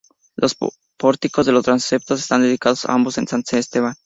Los pórticos de los transeptos están dedicados ambos a San Esteban.